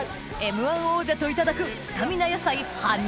Ｍ−１王者といただくスタミナ野菜葉